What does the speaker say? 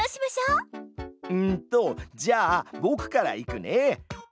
うんとじゃあぼくからいくね！